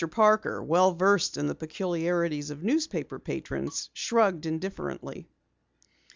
Parker, well versed in the peculiarities of newspaper patrons, shrugged indifferently.